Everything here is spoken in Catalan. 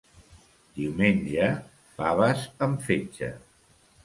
Diumenge, faves amb fetge.